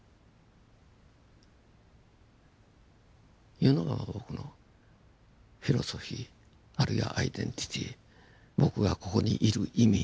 いうのが僕のフィロソフィーあるいはアイデンティティー僕がここにいる意味